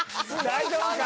大丈夫か？